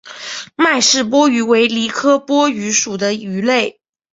麦氏波鱼为鲤科波鱼属的鱼类。